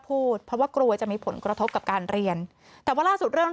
พูดเพราะว่ากลัวจะมีผลกระทบกับการเรียนแต่ว่าล่าสุดเรื่อง